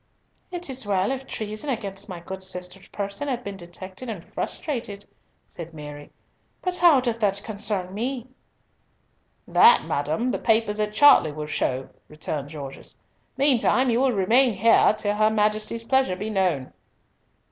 "It is well if treason against my good sister's person have been detected and frustrated," said Mary; "but how doth that concern me?" "That, madam, the papers at Chartley will show," returned Gorges. "Meantime you will remain here, till her Majesty's pleasure be known."